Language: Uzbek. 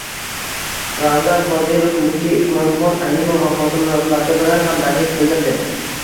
Ramzan Qodirov muftiy Usmonxon Alimov vafoti munosabati bilan hamdardlik bildirdi